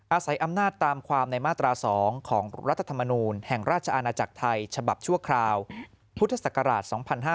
อาศัยอำนาจตามความในมาตรา๒ของรัฐธรรมนูลแห่งราชอาณาจักรไทยฉบับชั่วคราวพุทธศักราช๒๕๕๙